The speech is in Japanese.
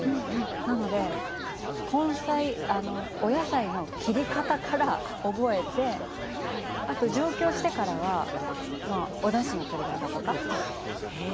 なのでお野菜の切り方から覚えてあと上京してからはおだしの取り方とか。